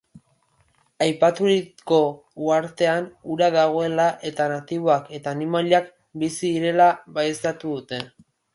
Aipaturiko uhartean ura dagoela eta natiboak eta animaliak bizi direla baieztatu dute.